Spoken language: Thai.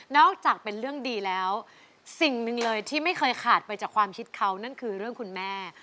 จากเป็นเรื่องดีแล้วสิ่งหนึ่งเลยที่ไม่เคยขาดไปจากความคิดเขานั่นคือเรื่องคุณแม่